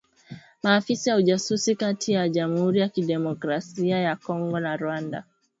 maafisa wa ujasusi kati ya jamhuri ya kidemokrasia ya Kongo na Rwanda